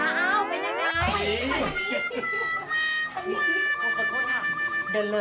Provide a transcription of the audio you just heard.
อ้าวเป็นยังไง